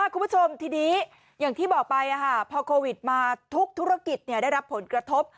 คุณผู้ชมทีนี้อย่างที่บอกไปพอโควิดมาทุกธุรกิจได้รับผลกระทบ